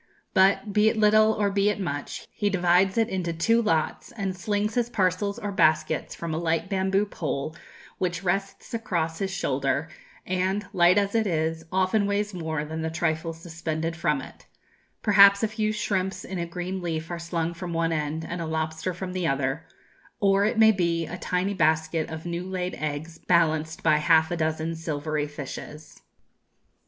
But, be it little or be it much, he divides it into two lots, and slings his parcels or baskets from a light bamboo pole which rests across his shoulder, and, light as it is, often weighs more than the trifles suspended from it; perhaps a few shrimps in a green leaf are slung from one end, and a lobster from the other, or, it may be, a tiny basket of new laid eggs balanced by half a dozen silvery fishes.